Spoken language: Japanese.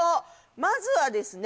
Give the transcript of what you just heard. まずはですね